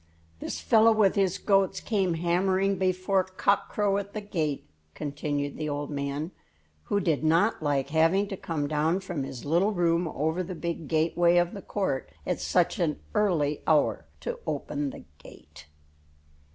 "This fellow with his goats came hammering before cock crow at the gate," continued the old man, who did not like having to come down from his little room over the big gateway of the court at such an early hour to open the gate.